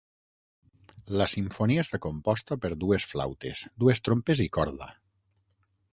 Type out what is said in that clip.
La simfonia està composta per dues flautes, dues trompes i corda.